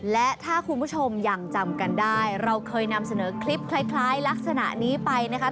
และถ้าคุณผู้ชมยังจำกันได้เราเคยนำเสนอคลิปคล้ายลักษณะนี้ไปนะคะ